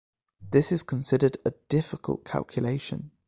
This is considered a difficult calculation.